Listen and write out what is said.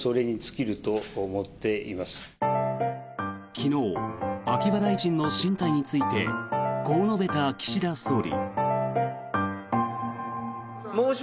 昨日、秋葉大臣の進退についてこう述べた岸田総理。